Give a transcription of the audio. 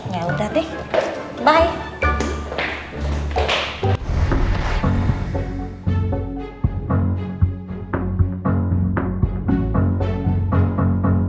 yaudah deh bye